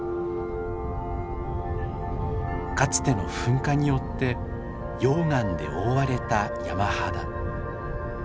かつての噴火によって溶岩で覆われた山肌。